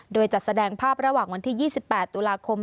โดยจะแสดงภาพระหว่างวันที่๒๘ตุลาคม